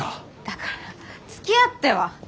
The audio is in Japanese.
だからつきあっては。